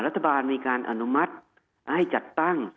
รัฐบาลมีการอนุมัติให้จัดตั้ง